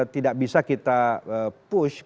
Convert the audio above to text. tidak bisa kita push